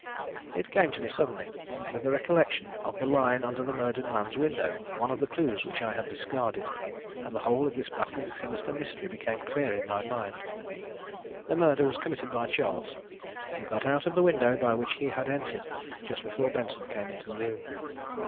"It came to me suddenly, with the recollection of the line under the murdered man's window one of the clues which I had discarded and the whole of this baffling sinister mystery became clear in my mind. The murder was committed by Charles, who got out of the window by which he had entered just before Benson came into the room.